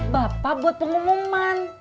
bapak buat pengumuman